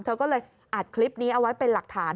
เธอก็เลยอัดคลิปนี้เอาไว้เป็นหลักฐาน